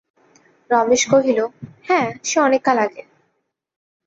রমেশ কহিল, হ্যাঁ সে অনেককাল আগে।